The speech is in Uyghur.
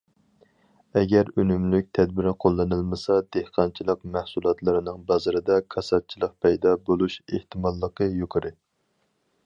ئەگەر ئۈنۈملۈك تەدبىر قوللىنىلمىسا دېھقانچىلىق مەھسۇلاتلىرىنىڭ بازىرىدا كاساتچىلىق پەيدا بولۇش ئېھتىماللىقى يۇقىرى.